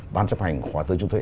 ban chấp hành khóa tư chúng tôi